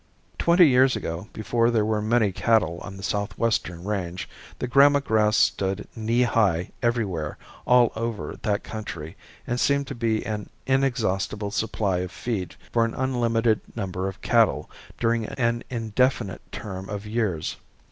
Twenty years ago before there were many cattle on the southwestern range, the gramma grass stood knee high everywhere all over that country and seemed to be an inexhaustible supply of feed for an unlimited number of cattle during an indefinite term of years.